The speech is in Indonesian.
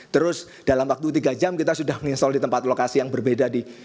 terus dalam waktu tiga jam kita sudah menyesol di tempat lokasi yang berbeda di